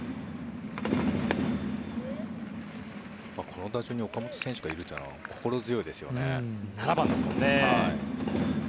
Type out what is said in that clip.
この打順に岡本選手がいるというのは７番ですからね。